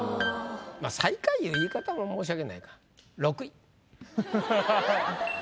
「最下位」いう言い方も申し訳ないか。